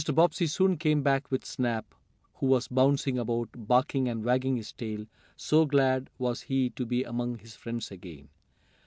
Bobbsey soon came back with Snap, who was bouncing about, barking and wagging his tail, so glad was he to be among his friends again.